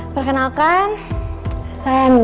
perkenalkan saya mia marcio